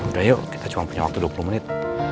udah yuk kita cuma punya waktu dua puluh menit